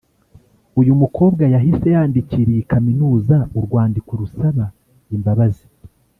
uyu mukobwa yahise yandikira iyi Kaminuza urwandiko rusaba imbabazi